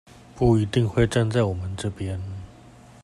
不一定會站在我們這邊